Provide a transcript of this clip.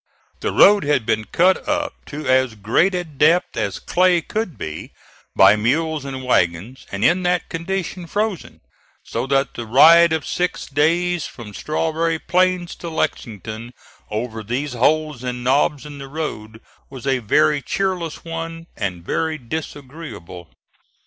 The road had been cut up to as great a depth as clay could be by mules and wagons, and in that condition frozen; so that the ride of six days from Strawberry Plains to Lexington over these holes and knobs in the road was a very cheerless one, and very disagreeable.